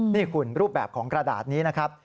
นี่คุณรูปแบบของกระดาษนี้นะครับ